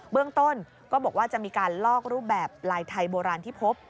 เรื่องต้นก็บอกว่าจะมีการลอกรูปแบบลายไทยโบราณที่พบ